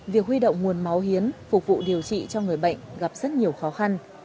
việc huy động nguồn máu hiến phục vụ điều trị cho người bệnh gặp rất nhiều khó khăn